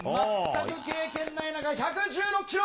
全く経験ない中、１１６キロ。